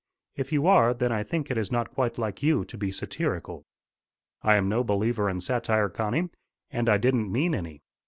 If you are then I think it is not quite like you to be satirical." "I am no believer in satire, Connie. And I didn't mean any.